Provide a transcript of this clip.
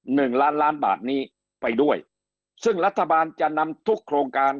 หนึ่งล้านล้านบาทนี้ไปด้วยซึ่งรัฐบาลจะนำทุกโครงการ